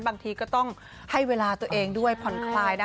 บางทีก็ต้องให้เวลาตัวเองด้วยผ่อนคลายนะ